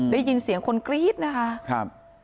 ได้ยินเสียงคนกรี๊ดนะคะครับ